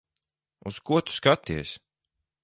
Uz ko tu skaties?